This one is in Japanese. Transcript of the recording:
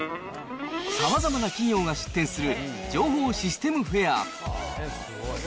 さまざまな企業が出展する情報システムフェア。